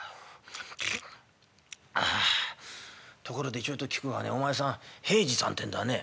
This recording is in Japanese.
ところでちょいと聞くがねお前さん平次さんってんだね」。